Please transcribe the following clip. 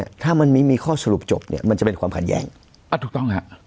ถ้ามันมีมีข้อสรุปจบเนี่ยมันจะเป็นความขัดแย้งอ่ะถูกต้องฮะ